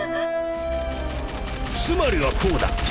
つまりはこうだ